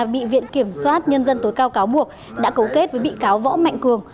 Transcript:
bị viện kiểm soát nhân dân tối cao cáo buộc đã cấu kết với bị cáo võ mạnh cường